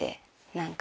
何か。